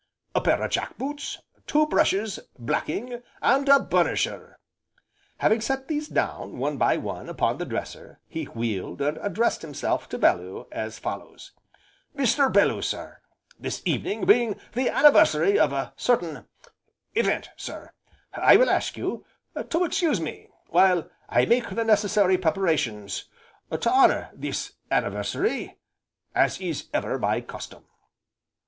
"A pair o' jack boots, two brushes, blacking, and a burnisher." Having set these down, one by one, upon the dresser, he wheeled, and addressed himself to Bellew, as follows: "Mr. Bellew, sir, this evening being the anniversary of a certain event, sir, I will ask you to excuse me while I make the necessary preparations to honour this anniversary as is ever my custom."